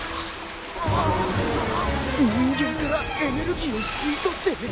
人間からエネルギーを吸い取って。